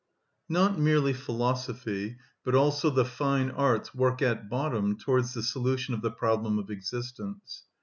Not merely philosophy but also the fine arts work at bottom towards the solution of the problem of existence.